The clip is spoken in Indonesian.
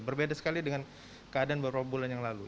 berbeda sekali dengan keadaan beberapa bulan yang lalu